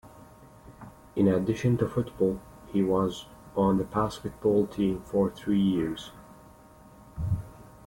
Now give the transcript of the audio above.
In addition to football, he was on the basketball team for three years.